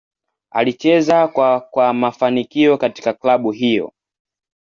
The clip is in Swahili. Alicheza kwa kwa mafanikio katika klabu hiyo.